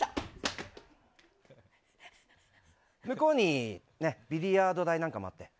向こうにビリヤード台なんかもあって。